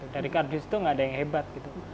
dari kardus itu tidak ada yang hebat